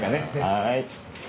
はい。